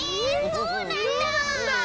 そうなんだ！